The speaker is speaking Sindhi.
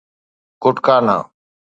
ڪٽڪانا